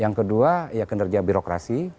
yang kedua ya kinerja birokrasi